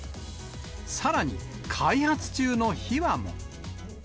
さらに、開発中の秘話も。